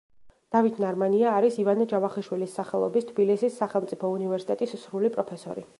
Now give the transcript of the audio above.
დავით ნარმანია არის ივანე ჯავახიშვილის სახელობის თბილისის სახელმწიფო უნივერსიტეტის სრული პროფესორი.